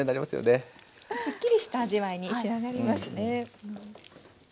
すっきりした味わいに仕上がりますね。